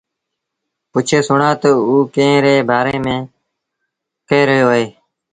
پُڇي سُڻآ تا اوٚ ڪݩهݩ ري بآري ميݩ ڪهي رهيو اهي؟